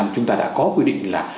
chúng ta đã có quy định là